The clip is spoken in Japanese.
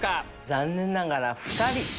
残念ながら２人。